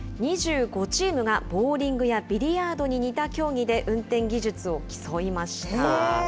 ２５チームが、ボウリングやビリヤードに似た競技で運転技術を競いました。